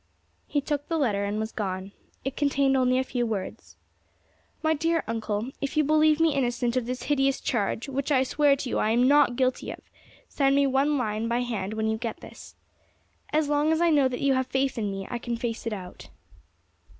He took the letter and was gone. It contained only a few words: "My dear Uncle, If you believe me innocent of this hideous charge, which I swear to you I am not guilty of, send me one line by hand when you get this. As long as I know that you have faith in me I can face it out."